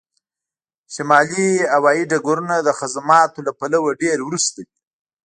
شمالي هوایی ډګرونه د خدماتو له پلوه ډیر وروسته دي